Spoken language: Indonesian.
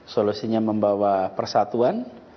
solusinya membawa persatuan